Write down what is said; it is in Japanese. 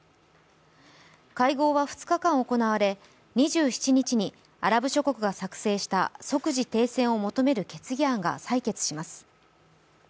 会合は２日間、行われ、２７日にアラブ諸国が作成した即時停戦を求める決議案が裁決します。